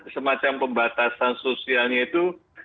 semacam pembatasan sosialnya itu